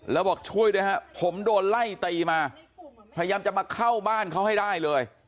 แล้วบอกช่วยด้วยฮะผมโดนไล่ตีมาพยายามจะมาเข้าบ้านเขาให้ได้เลย